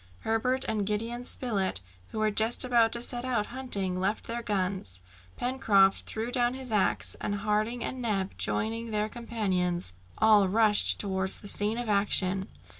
Herbert and Gideon Spilett, who were just about to set out hunting, left their guns, Pencroft threw down his axe, and Harding and Neb joining their companions, all rushed towards the scene of action.